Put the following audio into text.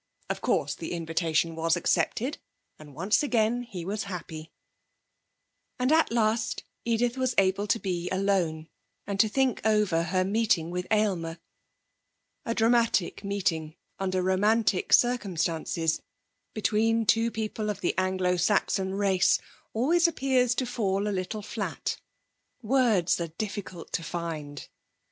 Of course the invitation was accepted, and once again he was happy! And at last Edith was able to be alone, and to think over her meeting with Aylmer. A dramatic meeting under romantic circumstances between two people of the Anglo Saxon race always appears to fall a little flat; words are difficult to find.